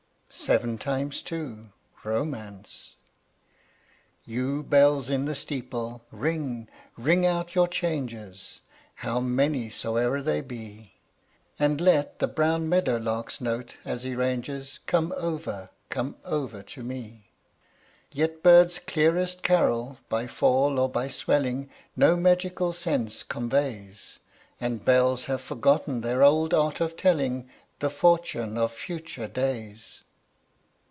SEVEN TIMES TWO. ROMANCE. You bells in the steeple, ring, ring out your changes, How many soever they be, And let the brown meadow lark's note as he ranges Come over, come over to me. Yet bird's clearest carol by fall or by swelling No magical sense conveys, And bells have forgotten their old art of telling The fortune of future days.